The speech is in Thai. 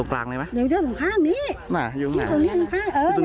เรามาเห็นตอนลอยขึ้น